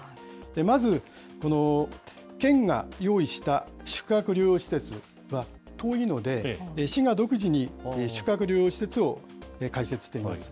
まず県が用意した宿泊療養施設は遠いので、市が独自に宿泊療養施設を開設しています。